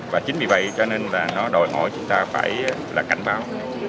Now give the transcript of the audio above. và chính vì vậy cho nên là nó đòi hỏi chúng ta phải là cảnh báo